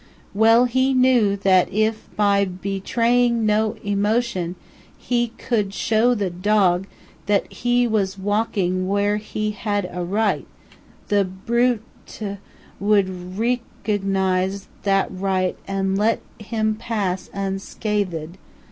Well he knew that if by be traying no em otion, he could show the dog that he was walking where he had a right, the bru te would re cog nize that right and let him pass un sca thed.